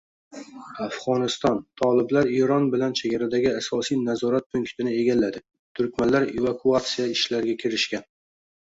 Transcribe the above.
Afg‘oniston: Toliblar Eron bilan chegaradagi asosiy nazorat punktini egalladi, turkmanlar evakuatsiya ishlariga kirishgan